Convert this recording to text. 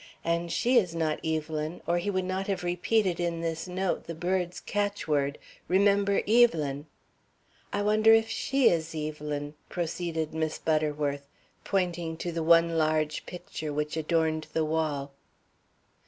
And she is not Evelyn or he would not have repeated in this note the bird's catch word, 'Remember Evelyn!' I wonder if she is Evelyn?" proceeded Miss Butterworth, pointing to the one large picture which adorned the wall.